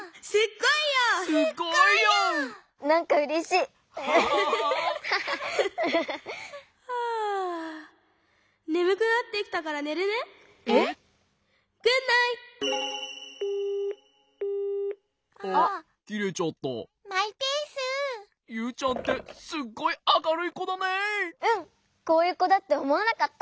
こういうこだっておもわなかった！